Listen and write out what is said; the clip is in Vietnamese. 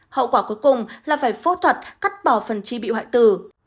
hậu quả cuối cùng là phải phẫu thuật cắt bỏ phần chi bị hoại tử